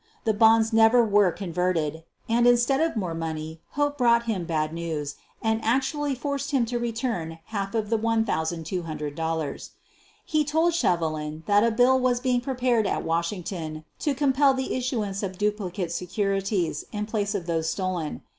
The bonds never were converted and, instead of more money, Hope brought him bad news and actually forced him to return half of the $1,200. He told Shevelin that a bill was being prepared at Washington to compel the issuance of duplicate securities in place of those stolen.